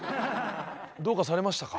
どうかされましたか？